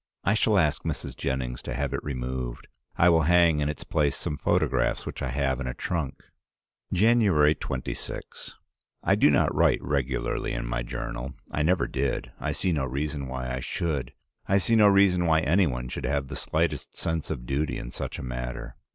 I shall ask Mrs. Jennings to have it removed. I will hang in its place some photographs which I have in a trunk. "January 26. I do not write regularly in my journal. I never did. I see no reason why I should. I see no reason why any one should have the slightest sense of duty in such a matter.